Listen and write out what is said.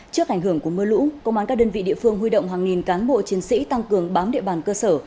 trước ảnh hưởng của mưa lũ công an các đơn vị địa phương huy động hàng nghìn cán bộ chiến sĩ tăng cường bám địa bàn cơ sở